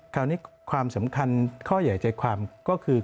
ความสำคัญข้อใหญ่ใจความก็คือ